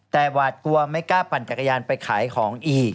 แต่หวาดกลัวไม่กล้าปั่นจักรยานไปขายของอีก